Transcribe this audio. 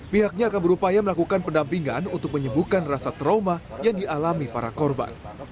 pihaknya akan berupaya melakukan pendampingan untuk menyembuhkan rasa trauma yang dialami para korban